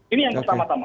ini yang pertama tama